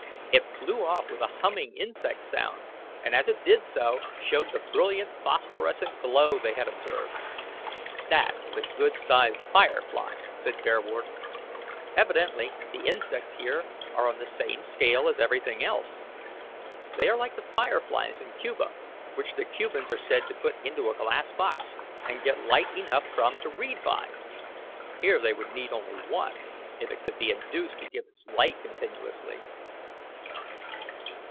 It flew off with a humming insect sound, and as it did so it showed the brilliant phosphorescent glow they had observed. "That is a good sized fire fly," said Bearwarden. "Evidently the insects here are on the same scale as everything else. They are like the fire flies in Cuba, which the Cubans are said to put into a glass box and get light enough from to read by. Here they would need only one, if it could be induced to give its light continuously."